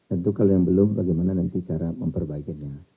untuk yang belum bagaimana nanti cara memperbaikinya